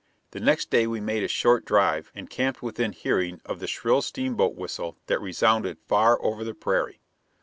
The next day we made a short drive, and camped within hearing of the shrill steamboat whistle that resounded far over the prairie.